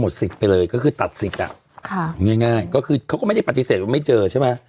สิทธิ์ไปเลยก็คือตัดสิทธิ์อ่ะค่ะง่ายง่ายก็คือเขาก็ไม่ได้ปฏิเสธว่าไม่เจอใช่ไหม